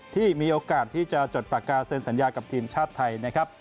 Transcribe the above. ที่มีโอกาสที่จะจดปรากฎเซ็นสัญญากับทีมชาติไทย